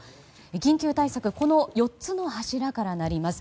緊急対策はこの４つの柱からなります。